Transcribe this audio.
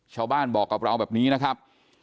ชาวบ้านบอกกับเราแบบนี้นะครับ